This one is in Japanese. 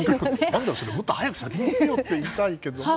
何だそれ、もっと早く先に言えよと言いたいけど。